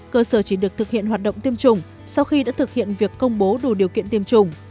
cơ sở chỉ được thực hiện hoạt động tiêm chủng sau khi đã thực hiện việc công bố đủ điều kiện tiêm chủng